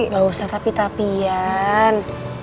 gak usah tapi tapian